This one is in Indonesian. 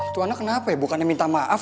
tuan kenapa ya bukan minta maaf